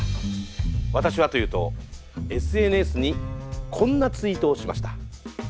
私はというとＳＮＳにこんなツイートをしました。